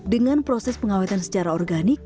dengan proses pengawetan secara organik